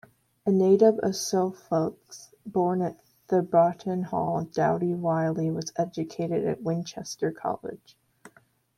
A native of Suffolk, born at Theberton Hall, Doughty-Wylie was educated at Winchester College.